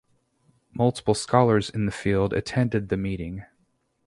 Multiple scholars in the field attended the meeting.